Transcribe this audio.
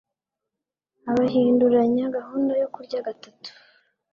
Abahinduranya gahunda yo kurya gatatu